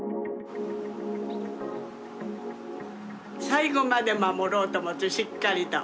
最後まで守ろうと思ってしっかりと。